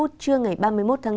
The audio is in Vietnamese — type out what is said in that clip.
trưa ngày ba mươi một tháng năm